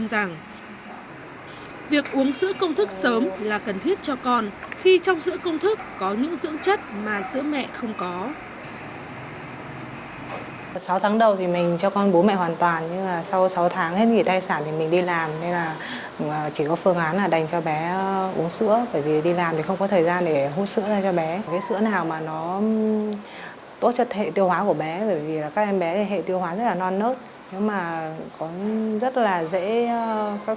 được uống sữa công thức sớm là cần thiết cho con khi trong sữa công thức có những dưỡng chất mà sữa mẹ không có